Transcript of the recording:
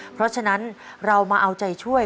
เพราะฉะนั้นเรามาเอาใจช่วย